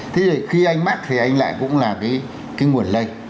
thế thì khi anh mắc thì anh lại cũng là cái nguồn lây